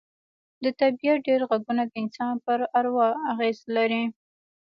د طبیعت ډېر غږونه د انسان پر اروا اغېز لري